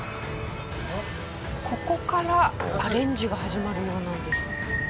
ここからアレンジが始まるようなんです。